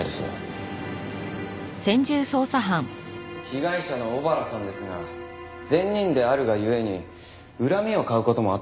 被害者の尾原さんですが善人であるがゆえに恨みを買う事もあったそうです。